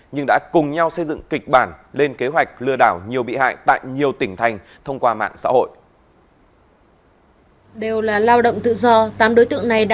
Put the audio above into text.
nhưng đã cùng nhau xây dựng kịch bản lên kế hoạch lừa đảo nhiều bị hại tại nhiều tỉnh thành thông qua mạng xã hội